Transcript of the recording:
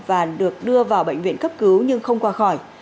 và được đưa vào bệnh viện cấp cứu nhưng không qua khỏi